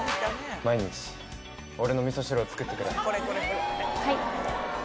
毎日、俺のみそ汁を作ってくはい。